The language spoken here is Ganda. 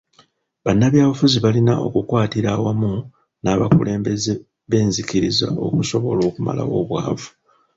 Bannabyabufuzi balina okukwatira awamu n'abakulembeze b'enzikiriza okusobola okumalawo obwavu.